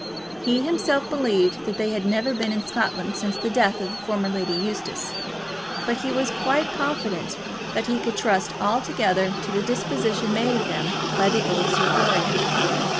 He himself believed that they had never been in Scotland since the death of the former Lady Eustace; but he was quite confident that he could trust altogether to the disposition made of them by the old Sir Florian.